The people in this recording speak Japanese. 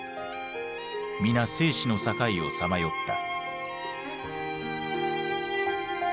皆生死の境をさまよった。